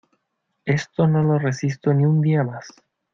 Esto no lo resisto ni un día más.